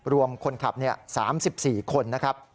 รวมคนขับ๓๔คนนะครับ